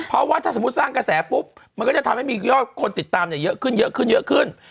เพราะว่าถ้าสมมุติสร้างกระแสปุ๊บมันก็จะทำให้มียอดคนติดตามเนี่ยเยอะขึ้นเยอะขึ้นเยอะขึ้น